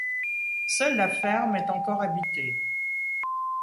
Seule la ferme est encore habitée.